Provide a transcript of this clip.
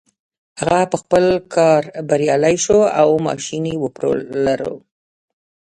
هغه په خپل کار بريالی شو او ماشين يې وپلوره.